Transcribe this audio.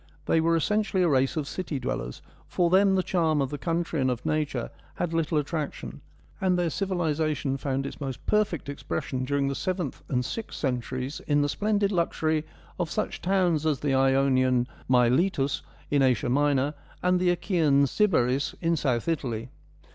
They were essentially a race of city dwellers ; for them the charm of the country and of nature had 43 44 FEMINISM IN GREEK LITERATURE little attraction, and their civilisation found its most perfect expression during the seventh and sixth centuries in the splendid luxury of such towns as the Ionian Miletus, in Asia Minor, and the Achaean Sybaris, in South Italy.